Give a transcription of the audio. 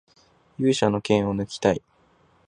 勇者の剣をぬきたい